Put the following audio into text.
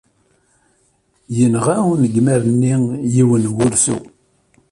Yenɣa unegmar-nni yiwen n wursu.